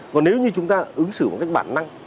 còn nếu như chúng ta ứng xử bằng cách bản năng